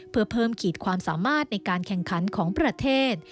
เพื่อเพิ่มขีดความสามารถในการแข่งขันของประเทศ